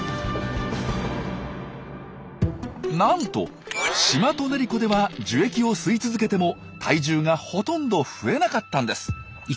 なんとシマトネリコでは樹液を吸い続けても体重がほとんど増えなかったんです。